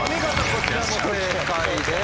こちらも正解です。